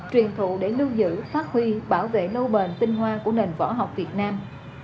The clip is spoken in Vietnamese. truyền thụ để lưu giữ phát huy bảo vệ lâu bền tinh hoa của nền võ học việt nam